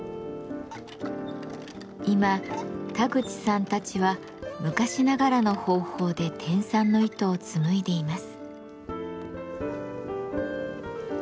今田口さんたちは昔ながらの方法で天蚕の糸を紡いでいます。